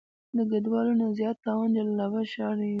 د ګډوالو نه زيات تاوان جلال آباد ښار وينئ.